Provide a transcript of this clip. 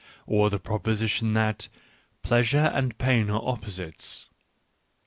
... Or the proposition that "pleasure and pain are opposites." .